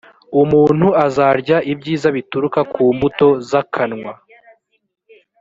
umuntu azarya ibyiza bituruka ku mbuto z akanwa